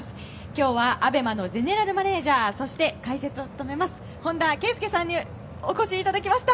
今日はＡＢＥＭＡのゼネラルマネージャーそして解説も務めます